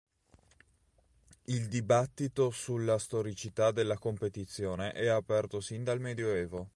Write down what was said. Il dibattito sulla storicità della competizione è aperto sin dal medioevo.